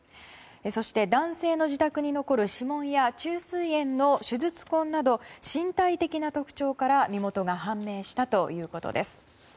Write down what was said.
そして男性の自宅に残る指紋や虫垂炎の手術痕など身体的な特徴から身元が判明したということです。